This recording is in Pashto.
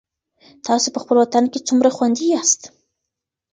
تاسو په خپل وطن کي څومره خوندي یاست؟